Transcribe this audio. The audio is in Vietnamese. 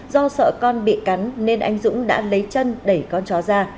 do sợ con bị cắn nên anh dũng đã lấy chân đẩy con chó ra